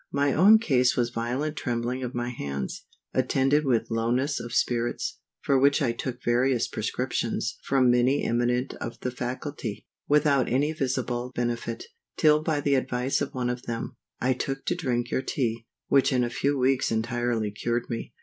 My own case was violent trembling of my hands, attended with lowness of spirits, for which I took various prescriptions from many eminent of the faculty, without any visible benefit, till by the advice of one of them, I took to drink your Tea, which in a few weeks entirely cured me.